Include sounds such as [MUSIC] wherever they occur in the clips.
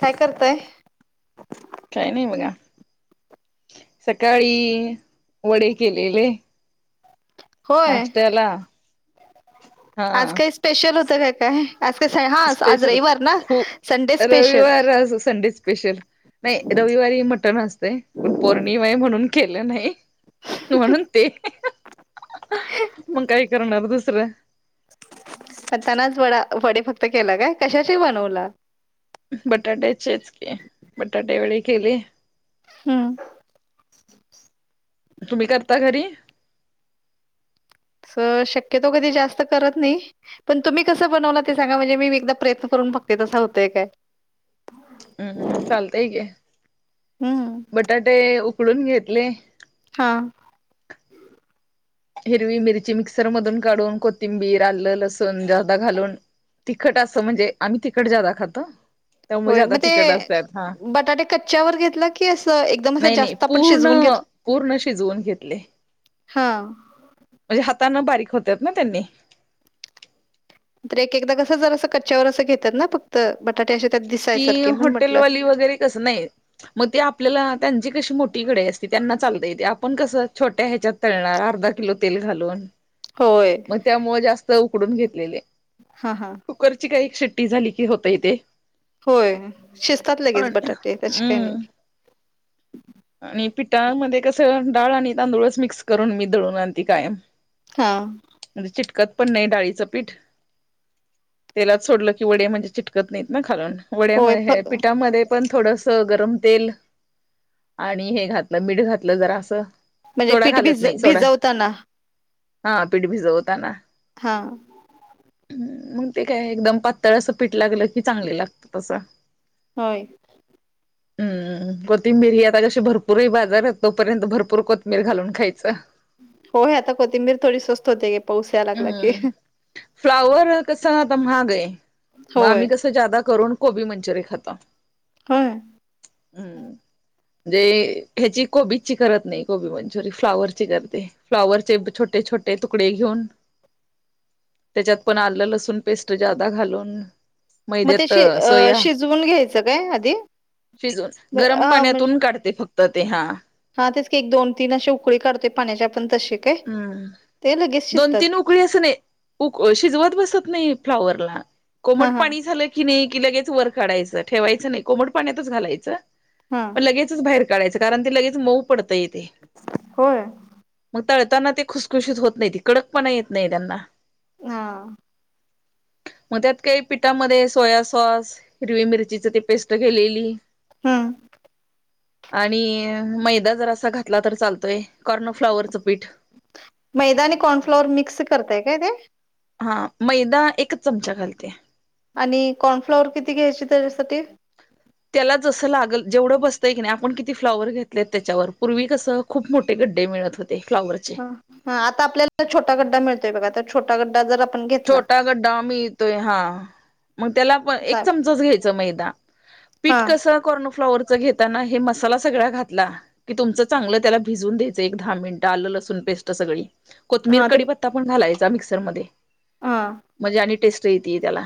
काय करताय? काय नाही बघा. सकाळी वडे केलेले. होय. नाश्ट्याला. आज काही स्पेशल होतं का काय? आज काय हा आज आज स्पेशल रईवार ना? खूप सन रविवार आज संडे स्पेशल. नाही रविवारी मटण असतय, पण पौर्णिमा हाये म्हणून केलं नाही म्हणून ते [INAUDIBLE] मग काय करणार दुस दुसरं. म्हणताना आज वडा वडे फक्त केला काय, कशाचे बनवला? बटाट्याचेच की बटाटे वडे केले. हा हा. तुम्ही करता घरी? तस शक्यतो कधी जास्त करत नाही, पण तुम्ही कस बनवला ते सांगा? म्हणजे मी एकदा प्रयन करून बघते. तसं होतय काय? उ उ चालतय की, हम्म. बटाटे उकडून घेतले हा. हिरवी मिरची मिक्सर मधून काढून, कोथिंबीर, आलं, लसूण जादा घालून तिखट आसं म्हणजे आम्ही तिखट जादा खाताव. होय, म ते बटाटे कच्यावर घेतला की, अस एकदम जास्त आपण शिजवून घेतो? हं पूर्ण शिजवून घेतले. हा. म्हणजे हाताना बारीक होत्यात ना त्यांनी. एकेकदा कसं जरासं कच्चावर अस घेत्यात ना? फक्त बटा ती हॉटेलवाली वगैरे कस नाही, मग ते आपल्याला त्यांची कशी मोठी कडई असती, त्यांना चालतय ते. आपण कसं छोट्या ह्याच्यात तळणार अर्धा किलो तेल घालून? होय. मग त्यामूळ जास्त उकडून घेतलेले, हा हा. कुकरची काही शिट्टी झाली की होतय ते. होय शिजतात लगेच आणि बटाटे त्याची काय हम्म नाही. आणि पिठा मध्ये कस डाळ आणि तांदूळच मिक्स करून मी दळून आणती कायम. हा. म्हणजे चिटकत पण नाही डाळीचं पीठ, तेलात सोडलं की वडे म्हणजे चिटकत नाहीत ना खालून. वड्या होय मध्ये फ हे पिठामध्ये पण थोडसं गरम तेल आणि हे घातलं मीठ घातलं जरासं म्हणजे सोडा पीठ घालत भिज नाही, सोडा भिजवताना हा पीठ भिजवताना हा. मग ते काय एकदम पातळ असं पीठ लागलं की, चांगले लागतात आसं. होय. उ उअ कोथिंबीर ही आता कशी भरपूरही बाजारात, तोपर्यंत भरपूर कोथंबीर घालून खायच. होय आता कोथिंबीर थोडी स्वस्त होते घे, पाऊस याला लागला की. हम्म फ्लावर कसं आता महाग आहे, मग होय आम्ही कसं जादा करून कोबी मंच्युरि खाताव. होय. म्हणजे ह्याची कोबीची करत नाही, कोबी मंच्युरी फ्लाॉवरची करते. फ्लाॉवरचे छोट टे छोटे तुकडे घेऊन [INAUDIBLE] त्याच्यात पण, आलं लसूण पेस्ट जादा घालून मग ते मैद्यात शि अस अ शिजवून घ्यायचं काय आधी? शिजवून, गरम हा म्हणजे पाण्यातून काढते फक्त ते हा. हा तेच एक दोन तीन अशी उकळी काढते पाण्याच्या हम दोन शिजतात तीन उकळी असं नाही उक शिजवत बसत नाही. फ्लावरला हा कोमट हा पाणी झालं की काही की लगेच वर काढायचं ठेवायचं नाही, कोमट पाण्यातच घालायचं हा मग लगेच बाहेर गाळायचं कारण ते लगेच मऊ पडतयं. होय. मग तळताना ते खुसखुशीत होत नाही, ती कडकपणा येत नाही त्यांना. हा. मग त्यात काही पिठामध्ये सोया सॉस, हिरवी मिरचीची ते पेस्ट केलेली हम. आणि मैदा जर असा घातला तर चालतोय कॉर्नफ्लाॉवरच मैदा आणि कॉर्नफ्लॉवर मिक्स करताय काय ते? हा मैदा एकच चमचा घालते. आणि कॉर्नफ्लॉवर किती घ्यायचे त्याच्यासाठी? त्याला जसं लागल जेवढं बसतंय की नाही आपण किती फ्लॉवर घेतलेत, त्याच्यावर पूर्वी कसं खूप मोठे गड्डे मिळत होते. फ्लॉवरचे ह हा आता आपल्याला छोटा गड्डा मिळतोय, बघा तर छोटा गड्डा जर आपण घेतला छोटा गड्डा मिळतोय, हा मग त्यालाण एक हा चमचाच घ्यायच मैदा. पीठ कसं कार्नफ्लॉवर घेताना हे मसाला सगळा घातला, की तुमच चांगलं त्याला भिजून द्यायचं एक दहा मिनटं आलं लसून पेस्ट सगळी कोतमिर हा ते कडिपत्ता पण घालायचा मिक्सर मध्ये हा म्हणजे आणि टेस्ट येते त्याला.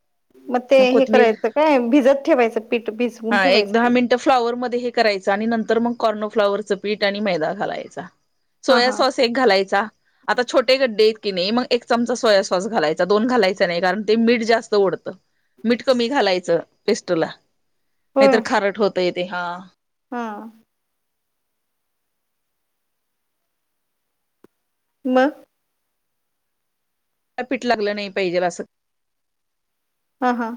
[INAUDIBLE] मग ते हे करायचं काय? भिजत ठेवायचं पीठ भिजवून हा एक ठेवायचं दहा ते. मिनिटं फ्लाॉवर मध्ये हे करायचं आणि नंतर मग कॉर्नोफ्लाॉवर च पीठ आणि मैदा घालायचा. हा सोया हा सॉस एक घालायचा. आता छोटे गड्डे की नाही मग एक चमचा सोया सॉस घालायचा. दोन घालायचा नाही. कारण ते मीठ जास्त ओढतं. मीठ कमी घालायचं पेस्टला. होय नाहीतर खारट होतंय ते हा. हा. म? ला पीठ लागलं नाही पाहिजेल असं. हा हा.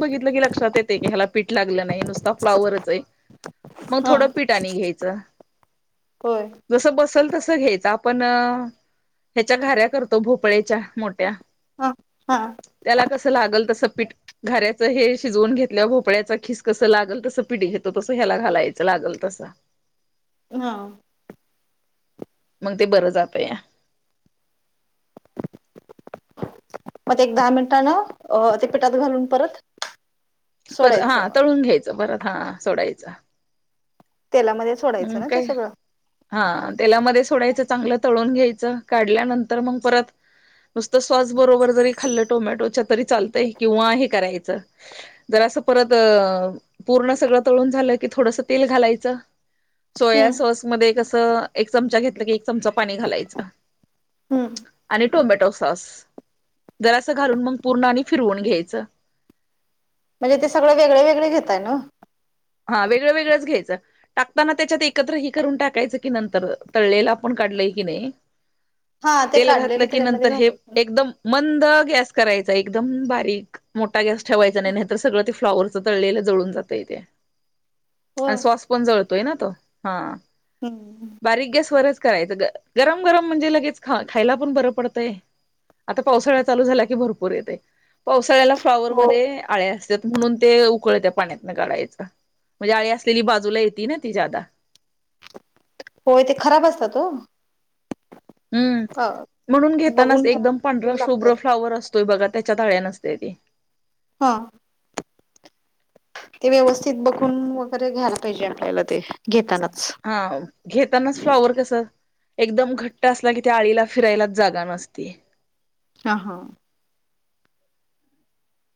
बघितलं की लक्षात येते की ह्याला पीठ लागलं नाही नुसता फ्लाॉवरच आहे. मग हा थोडं पिठा नी घ्यायचं होय जसं बसंल तसं घ्यायच आपण ह्याच्या घाऱ्या करतो भोपळेच्या मोठ्या हा हा त्याला कसं लागल तसं पीठ घऱ्याचं हे शिजवून घेतल्या भोपळ्याचा खीस कसं लागल तसं पिट घेतो तसं ह्याला घालायचं, लागल तसं. हा. मग ते बरं जात या. मग एक दहा मिनटानं ते पिठात घालून परत पर हा सोडायचं तळून घ्यायचं, परत हा सोडायचं. तेलामध्ये सोडायचं म ना ते काय, सगळं हा तेलामध्ये थोडाचं चांगलं तळून घ्यायचं. काढल्यानंतर मग परत नुसतं स्वास बरोबर जरी खाल्लं टोमॅटोच्या तरी चालतंय किंवा हे करायचं ज अस परत पूर्ण सगळं तळून झालं, की थोडस तेल घालायच. सोया हम्म सॉसमध्येध्ये कसं एक चमचा घेतलं की एक चमचा पाणी घालायचं. हम्म आणि टोमॅटो सॉस जरासं घालून मग पूर्ण आणि फिरवून घ्यायचं. म्हणजे ते सगळं वेगळ-वेगळ घेताय ना? हा वेगळं वेगळंच घ्यायचं टाकताना त्याच्यात एकत्र हे करून टाकायचं की नंतर तळलेल आपण टाक लय कने हा ते तेल घातल काढलेलं की त्याच्यामध्ये नतंर घालायचं एकदम मंद सुंद गॅस करायचा एकदम बारीक, मोठा गॅस ठेवायचा नाही नाही तर सगळं ते फ्लाॉवरच तळलेलं जळुन जातय तेे. होय आणि सॉस पण जळतोय ना तो हा हम्म बारीक गॅसवरच करायचं गरम-गरम म्हणजे लगेच खा-खायला पण बरं पडतंय. आता पावसाळा चालू झाला की भरपूर येतय पावसाळ्यात फ्लाॉवर हो मध्ये आळ्या असत्यात म्हणून ते उकळत्या पाण्यातन काढायच. म्हणजे आळी असलेली बाजूला येती ना ती ज्यादा होय ते खराब असतात हो. हम्म म्हणून घेतानाच बघून एकदम पंढरा घ्या लागतात शुभ्र फ्लावर असतोय बघा त्याच्यात आळ्या नसत्याती हा. ते व्यवस्थित बघून वगैरे घ्यायला पाहिजे आपल्याला ते घेताना. हा घेतानाच फ्लॉवर कस एकदम घट्ट असला कि त्या आळीला फिरायलाच जागा नसती. हा हां.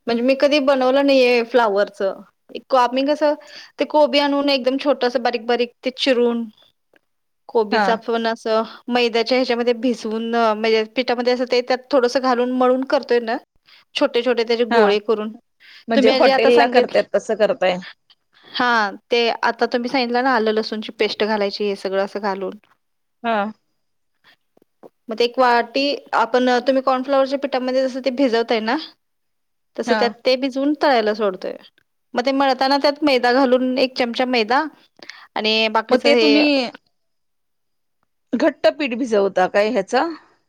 म्हणजे मी कधी बनवलं नाहीये फ्लावरच, आम्ही कस ते कोबी आणून एकदम छोटस बारीक-बारीक ते चिरून हा कोबीच आपण असं मैद्याच्या ह्याच्यामध्ये भिजवून म्हणजे पिठामध्ये असं ते त्यात थोडसं घालून, मळून करतोय ना छोटे-छोटे त्याचे हा गोळे करून म्हणजे तुम्ही जे आता हॉटेलला सांगीतला करतायत तसं करताय हां. ते आता तुम्ही सांगितला ना आल, लसूण ची पेस्ट घालायची हे सगळं असं घालून हां. [INAUDIBLE] म ते एक वाटी आपण, तुम्ही कॉर्नफ्लॉवरच्या पिठामध्ये जसं ते भिजवताय ना तस हा त्यात ते भिजवुन तळायला सोडतोय मग ते मळताना त्यात मैदा घालून, एक चमचा मैदा आणि मग बाकीच हे घट्टपीठ भिजवता काय ह्याचा?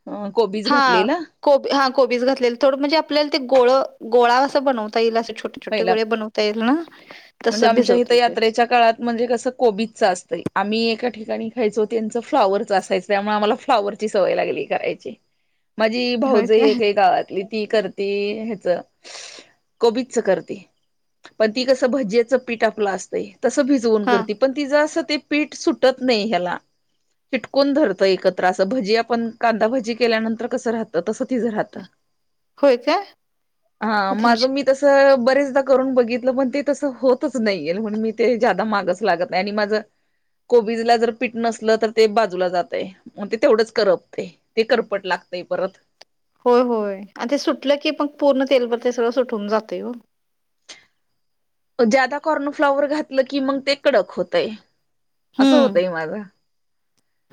अ कोबीज हां. घातलेला कोबी हा कोबीज घातलेल थोडं म्हणजे आपल्याला ते गोळ गोळा अस बनवता येईल. छोटे छोटे पहिला, गोळे बनवता येईल ना म्हणजे तसं आमच्या इथ भिजवतो ते यात्रेच्या काळात म्हणजे कस कोबीजच असतय. आम्ही एक ठिकाणी खायचो त्यांच फ्लाॉवरच असायचं त्यामुळे आम्हांला फ्लॉवर ची सवय लागली करायची. माझी होय भाऊज काय एक आहे गावातली ती करती हेच कोबी पण ती कस भजीच पीठ आपलं असतंयतस भिजवून हा करती, पण तिज अस ते पीठ सुटत नाही ह्याला चिटकून धरतं एकत्र अस भजी आपण कांदा भजी केल्यानंतर कसं राहतं तसं तिझं राहतं. होय काय, म हा त्यांची माझं मी बरेचदा करून बघितलं पण ते तस होतच नाही, आणि म्हणुन मी ते ज्यादा मागच लागत नाही आणि माझ कोबीजला जर पीट नसलं तर ते बाजूला जातय, मग ते तेवढंच करपतय ते करपट लागतय. लय परत होय, होय. आणि ते सुटलं की मग पूर्ण तेलवर ते सगळं सुटून जातय हो. ज्यादा कॉर्नफ्लाॉवर घातलं की मग ते कडक होतयं. असं हम्म होतंय माझं.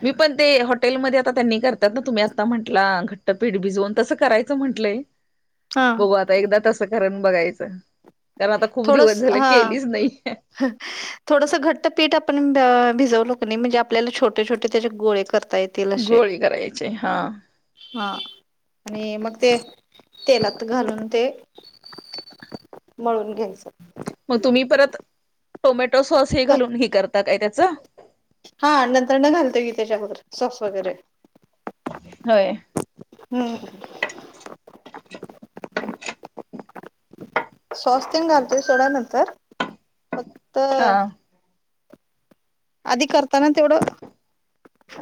मी पण ते हॉटेलमध्ये आता त्यांनी करतात ना तुम्ही आता म्हटला घट्ट पीठ भिजवून तसं करायचं म्ह म्हटलयं हा बघू आता एकदा तसं करून बघायचं. कारण आता खूप दिवस झाले हा केलीच नाही. थोडस घट्ट पीठ आपण भिजवलो किनइ म्हणजे आपल्या छोटे छोटे त्याचे गोळे करत येतील असे गोळी करायची हा हा. आणि मग ते तेलात घालून ते मळून घ्यायचं. मग तुम्ही परत टोमॅटो सॉस हे घालून हे करता काय त्याच? हा नंतर न घालतोय कि त्याच्यावर सॉस वगैरे. होय हम. सॉस तेन घालतोय सोडा नंतर फक्त हा आधी करताना तेवढं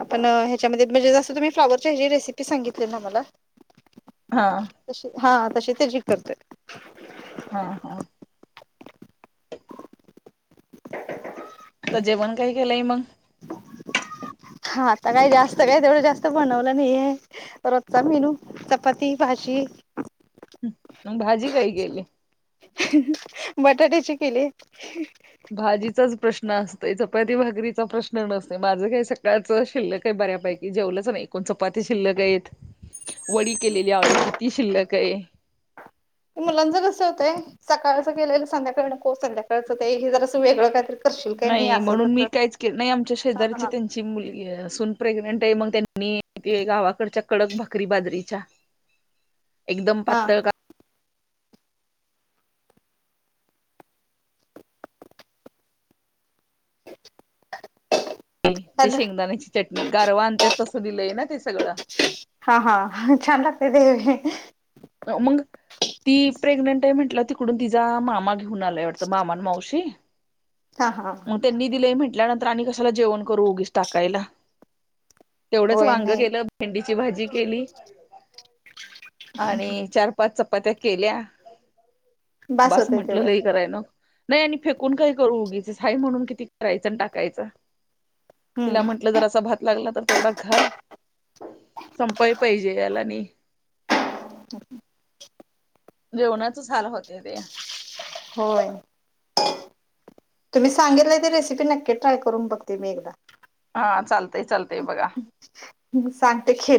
आपण ह्याच्यामध्ये म्हणजे जस तुम्ही फ्लाॉवरची हेची रेसिपी सांगितली ना मला. हा. तशी हा तशी ते जी करते. हा हा आता जेवण काही केलंय मग? [UNINTELLIGIBLE] हा आता काय जास्त काय तेवढं जास्त बनवलं नाहीये, रोजचा मेनू चपाती, भाजी. जी मग भाजी काय केली बटाट्याची केलीये. भाजीचाच प्रश्न असतोय चपाती भाकरीचा प्रश्न नसतोयं, माझं काही सकाळच शिल्ल काही बऱ्यापैकी जेवलंच नाही कोण चपाती शिल्लक आहेत. [UNINTELLIGIBLE] वडी केलेली आळूची ती शिल्लक आहे. ते मुलांच कस होतंय, सकाळच केलेलं संध्याकाळ हो संध्याकाळच ते जरा वेगळं काहीतर नाही म्हणून मी काहीच केल नाही, आमच्या हा शेजारीची त्यांची मुलगी आहे सून प्रेग्नेंट आहे मग त्यांनी गावाकडच्या कडक भाकरी बाजरीच्या एकदम हा पातळ का ते शेंगदाण्याची चटणी गारवा आनत्यात तसं दिलंय ना सगळं हा हा छान लागतय ते मंग ती प्रेग्नेंट आहे म्हंटलं तिकडून तिचा मामा घेऊन आलाय वाटतं मामान मावशी हा हा मग त्यांनी दिलेय म्हंटल्या नंतर आणि कश्याला जेवण करू उगीच टाकायला. तेवढंच होय वांग नाही केलं भेंडीची भाजी केली. आणि चार पाच चपात्या केल्या बास होतंय म्हटलं तेवढं लई कराय नको. नाही आणि फेकून काय करू उगीच हाय म्हणून किती करायचं आणि टाकायचं. तिला हम्म म्हंटलं जर असा भात लागला तर तेवढा घाल संपाय पाहिजे याला आणि जेवणाचंच हाल होत्याता. होय. तुम्ही सांगितलं ते रेसिपी नक्की ट्राय करून बघते मी एकदा हा चालतंय चालतंय बघा सांगते खेल